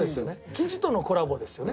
生地とのコラボですよね。